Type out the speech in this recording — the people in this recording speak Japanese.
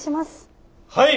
はい！